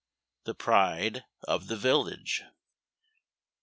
THE PRIDE OF THE VILLAGE.